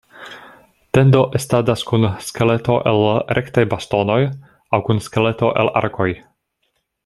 Tendo estadas kun skeleto el rektaj bastonoj aŭ kun skeleto el arkoj.